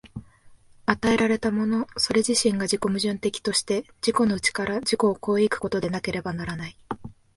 与えられたものそれ自身が自己矛盾的として、自己の内から自己を越え行くことでなければならない。